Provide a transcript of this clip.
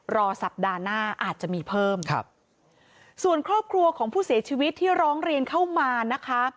รอสัปดาห์หน้าอาจจะมีเพิ่มครับส่วนครอบครัวของผู้เสียชีวิตที่ร้องเรียนเข้ามานะคะ